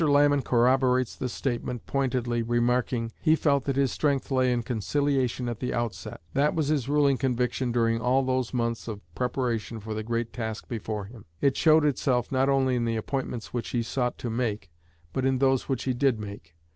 Lamon corroborates the statement, pointedly remarking: "He felt that his strength lay in conciliation at the outset; that was his ruling conviction during all those months of preparation for the great task before him. It showed itself not only in the appointments which he sought to make but in those which he did make.